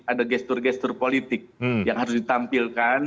ada gestur gestur politik yang harus ditampilkan